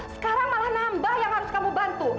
sekarang malah nambah yang harus kamu bantu